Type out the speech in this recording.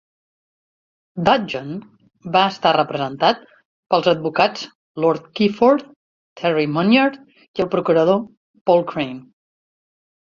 Dudgeon va estar representat pels advocats Lord Gifford, Terry Munyard i el procurador Paul Crane.